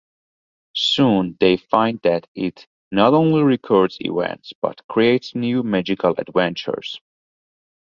Soon they find that it not only records events, but creates new magical adventures.